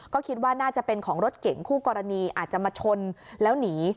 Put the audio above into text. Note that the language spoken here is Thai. ก็คิดว่าน่าจะเป็นของรถเก่งคู่กรณีอาจจะมาชนแล้วหนี